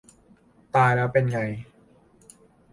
ตายแล้วเป็นยังไง ?